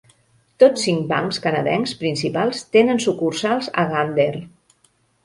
Tots cinc bancs canadencs principals tenen sucursals a Gander.